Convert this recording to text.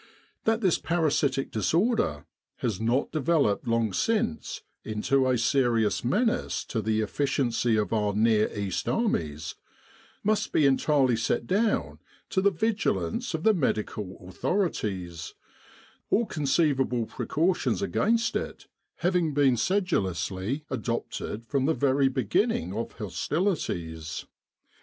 That this parasitic disorder has not de veloped long since into a serious menace to the efficiency of our Near East armies, must be entirely set down to the vigilance of the medical authorities, all conceivable precautions against it having been sedulously adopted from the very beginning of hos tilities.